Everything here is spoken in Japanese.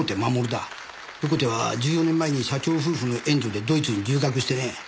横手は１４年前に社長夫婦の援助でドイツに留学してね。